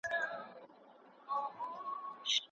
سیاست د ارواپوهنې په نسبت د قدرت پدیدې ته ډېر پام کوي.